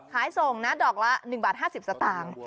ขายส่งนะดอกละ๑บาท๕๐สตางค์